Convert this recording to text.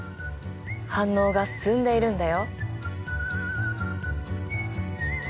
反応が進んでいるんだよ。